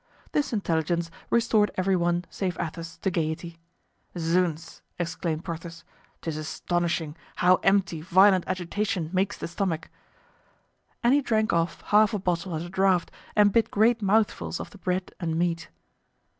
This intelligence restored every one save Athos to gayety. "Zounds!" exclaimed Porthos, "'tis astonishing how empty violent agitation makes the stomach." And he drank off half a bottle at a draught and bit great mouthfuls of the bread and meat.